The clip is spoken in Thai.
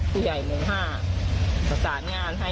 ผู้ใหญ่มวงห้าสราบงานให้